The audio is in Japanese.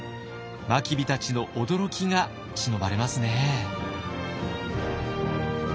真備たちの驚きがしのばれますね。